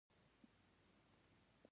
د خونې شمېرنه ناروغي ښيي.